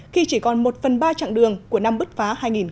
khi chỉ còn một phần ba chặng đường của năm bứt phá hai nghìn một mươi chín